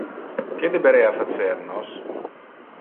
Que deberea facer nos?!